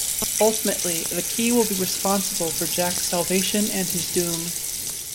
Ultimately, the Key will be responsible for Jack's salvation and his doom.